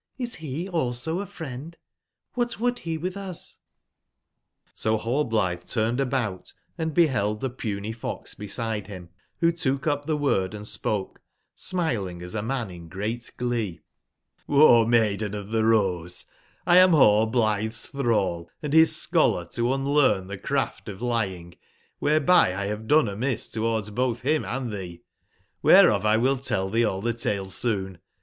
Is he also a friend? Qlhat would he with us ? *'J? So Rallblithe turned about, and be held the puny j^ox beside him, who took up the word andspoke, smilingasaman in great glee: ''Omaiden of thcRosclam nallblithe's thrall, and his scholar, to unlearn the craft of lying, whereby! have done a miss towards both him and thee. CHhereof 1 will tell thee all thetale soon.